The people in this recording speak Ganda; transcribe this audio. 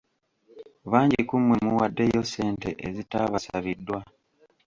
Bangi ku mmwe muwaddeyo ssente ezitaabasabiddwa.